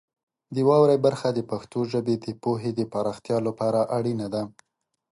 د واورئ برخه د پښتو ژبې د پوهې د پراختیا لپاره اړینه ده.